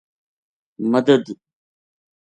مدد